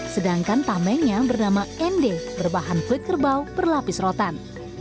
sedangkan tamennya bernama ende berbahan flit kerbau berlapis rotan